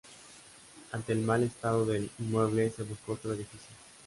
Ante el mal estado del inmueble, se buscó otro edificio.